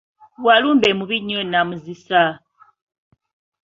Walumbe mubi nnyo nnamuzisa.